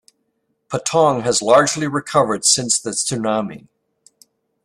Patong has largely recovered since the tsunami.